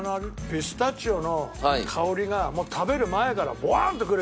ピスタチオの香りがもう食べる前からボワーッとくるよ。